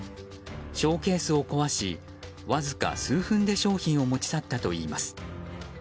ショーケースを壊しわずか数分で商品を持ち去ったといいます。